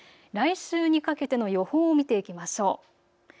来週にかけての予報を見ていきましょう。